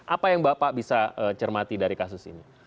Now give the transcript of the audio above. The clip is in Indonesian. apa yang bapak bisa cermati dari kasus ini